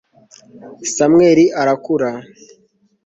samweli arakura